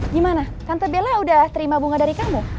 gimana tante bella udah terima bunga dari kamu